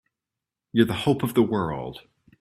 You're the hope of the world!